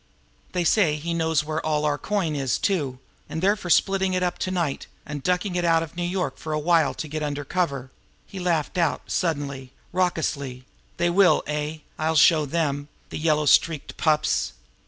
They say he knows where all our coin is too; and they're for splitting it up to night, and ducking it out of New York for a while to get under cover." He laughed out suddenly, raucously. "They will eh? I'll show them the yellow streaked pups!